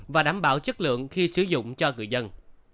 và đảm bảo chất lượng khi sử dụng cho người dân